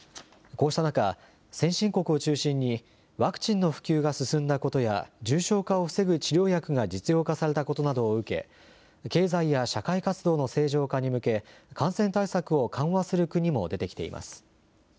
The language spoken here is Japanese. こうした中、先進国を中心にワクチンの普及が進んだことや重症化を防ぐ治療薬が実用化されたことなどを受け経済や社会活動の正常化に向け感染対策を緩和する国も出てきています。